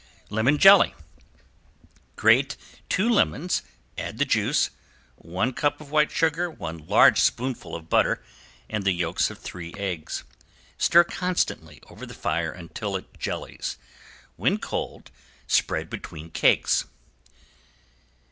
~LEMON JELLY~ Grate two lemons, add the juice, one cup of white sugar, one large spoonful of butter and the yolks of three eggs. Stir constantly over the fire until it jellies, when cold spread between cakes.